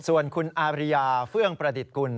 ส่วนคุณอาริยาเฟื่องประดิษฐ์กุล